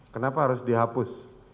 kenapa harus dihapus